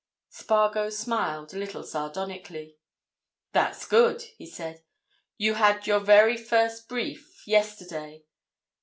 Spargo smiled—a little sardonically. "That's good!" he said. "You had your very first brief—yesterday.